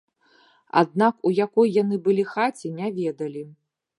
Аднак у якой яны былі хаце, не ведалі.